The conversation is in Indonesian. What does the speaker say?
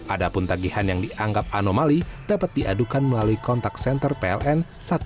ada pun tagihan yang dianggap anomali dapat diadukan melalui kontak senter pln satu ratus dua belas